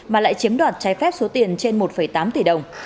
mà lại chiếm đoạt trái phép số tiền trên một tám tỷ đồng